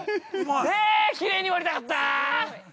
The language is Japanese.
きれいに割りたかった！